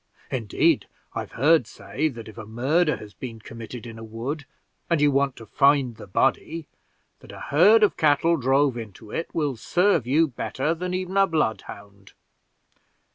Indeed, I've heard say, that if a murder has been committed in a wood, and you want to find the body, that a herd of cattle drove into it will serve you better than even a bloodhound."